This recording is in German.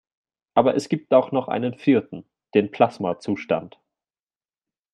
Aber es gibt auch noch einen vierten: Den Plasmazustand.